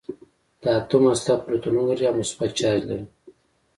د اتوم هسته پروتونونه لري او مثبت چارج لري.